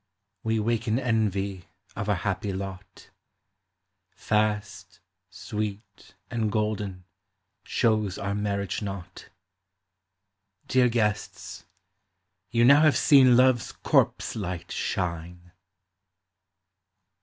We waken envy of our happy lot. Fast, sweet, and golden, shows our marriage knot. Dear guests, you now have seen Love's corpse light shine